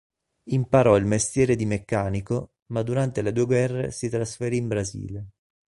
Imparò il mestiere di meccanico, ma durante le due guerre si trasferì in Brasile.